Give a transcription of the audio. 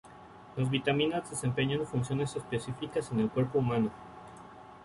Las vitaminas desempeñan funciones específicas en el cuerpo humano.